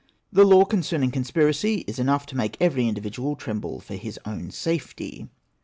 The law concerning conspiracy is enough to make every individual tremble for liis own safety.